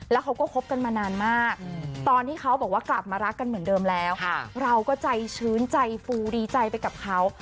แล้วเขาก็คบกันมานานมากตอนที่เขาบอกว่ากลับมารักกันเหมือนเดิมแล้วเราก็ใจชื้นใจฟูดีใจไปกับเขา